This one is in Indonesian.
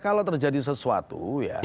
kalau terjadi sesuatu ya